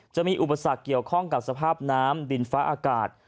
จะมีอุปสรรคเกี่ยวข้องกับสภาพน้ำดินฟ้าอากาศ